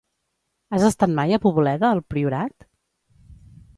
Has estat mai a Poboleda, al Priorat?